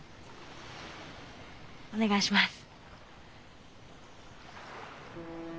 お願いします。